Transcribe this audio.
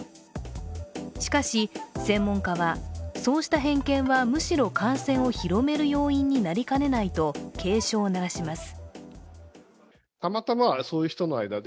しかし、専門家はそうした偏見は、むしろ感染を広める要因になりかねないと警鐘を鳴らします。